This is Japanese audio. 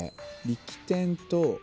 力点と。